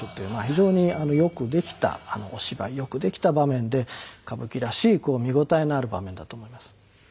非常によく出来たお芝居よく出来た場面で歌舞伎らしい見応えのある場面だと思います。